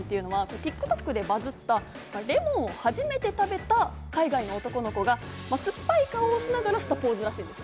ＴｉｋＴｏｋでバズった、レモンを初めて食べた海外の男の子が酸っぱい顔をしながらしたポーズだそうです。